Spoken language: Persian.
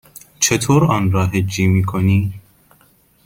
چطور آن را هجی می کنی؟